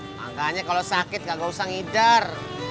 makannya kalau sakit kagak usah ngidar